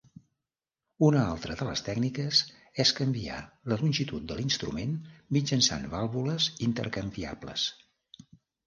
Una altra de les tècniques és canviar la longitud de l'instrument mitjançant vàlvules intercanviables.